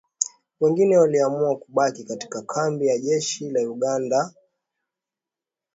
Wengine waliamua kubaki katika kambi ya jeshi la Uganda ya Bihanga, magharibi mwa Uganda.